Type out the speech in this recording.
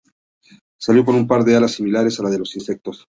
Salió con un par de alas similares a las de los insectos.